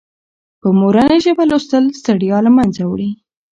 په مورنۍ ژبه لوستل ستړیا له منځه وړي.